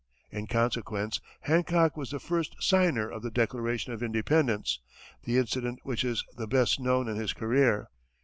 In consequence, Hancock was the first signer of the Declaration of Independence, the incident which is the best known in his career.